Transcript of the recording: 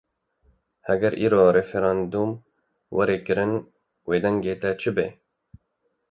Heger îro referandûm were kirin wê dengê te çi be?